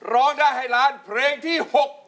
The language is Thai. ร้องได้ให้ล้านเพลงที่๖